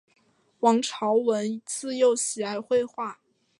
王朝闻自幼喜爱绘画。